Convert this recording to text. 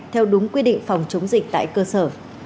theo đúng quy định phòng chống dịch tại cơ sở